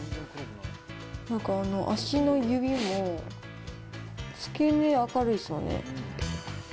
なんか足の指も付け根、明るいですよね。